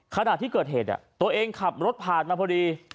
ขณะที่เกิดเหตุตัวเองขับรถผ่านมาพอดี